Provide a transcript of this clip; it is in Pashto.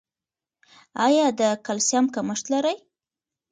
ایا د کلسیم کمښت لرئ؟